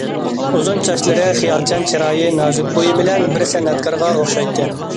ئۇزۇن چاچلىرى، خىيالچان چىرايى، نازۇك بويى بىلەن بىر سەنئەتكارغا ئوخشايتتى.